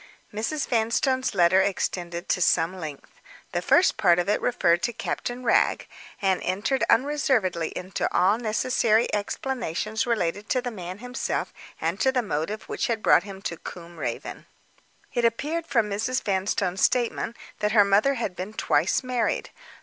Mrs. Vanstone's letter extended to some length. The first part of it referred to Captain Wragge, and entered unreservedly into all necessary explanations relating to the man himself and to the motive which had brought him to Combe Raven. It appeared from Mrs. Vanstone's statement that her mother had been twice married.